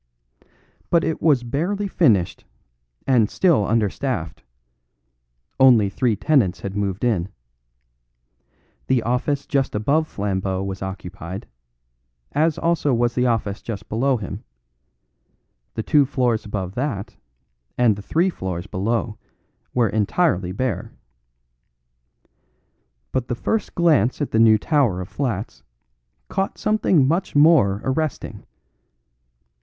But it was barely finished and still understaffed; only three tenants had moved in; the office just above Flambeau was occupied, as also was the office just below him; the two floors above that and the three floors below were entirely bare. But the first glance at the new tower of flats caught something much more arresting.